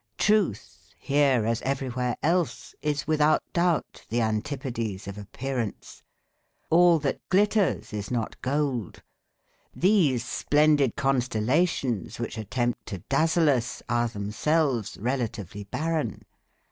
Truth, here as everywhere else, is without doubt the antipodes of appearance. All that glitters is not gold. These splendid constellations which attempt to dazzle us are themselves relatively barren.